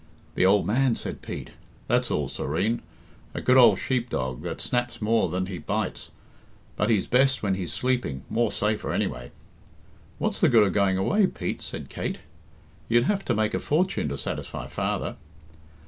"The ould man," said Pete. "That's all serene! A good ould sheepdog, that snaps more than, he bites, but he's best when he's sleeping more safer, anyway." "What's the good of going away, Pete?" said Kate. "You'd have to make a fortune to satisfy father."